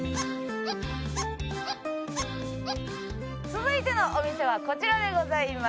続いてのお店はこちらでございます。